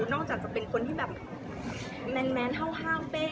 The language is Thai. อ่ะนอกจากจะเป็นคนที่แบบแมนเฮ้าเปร้งลุยกันอย่างงี้เท่านั่น